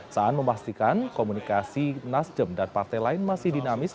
saan memastikan komunikasi nasdem dan partai lain masih dinamis